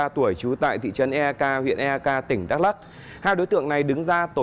ba mươi ba tuổi trú tại thị trấn ek huyện ek tỉnh đắk lắc hai đối tượng này đứng ra